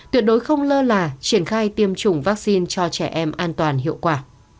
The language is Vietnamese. tuyệt đối không lơ là triển khai tiêm chủng vaccine cho trẻ em an toàn hiệu quả